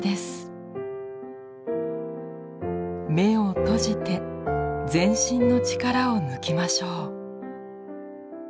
目を閉じて全身の力を抜きましょう。